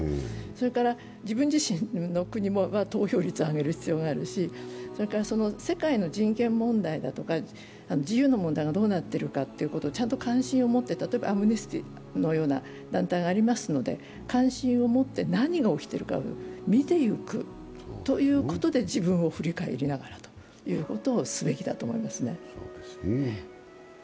それから自分自身の国も投票率を上げる必要があるし、世界の人権問題だとか自由の問題がどうなっていくかということにちゃんと関心を持って、例えばアムネスティのような団体がありますので、関心を持って何が起きているのかを見ていく、自分を振り返りながらということをすべきだと思いますね。